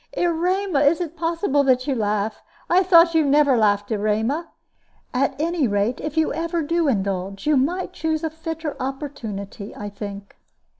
"Erema, is it possible that you laugh? I thought that you never laughed, Erema. At any rate, if you ever do indulge, you might choose a fitter opportunity, I think.